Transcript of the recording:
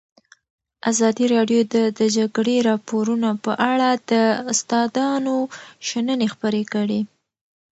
ازادي راډیو د د جګړې راپورونه په اړه د استادانو شننې خپرې کړي.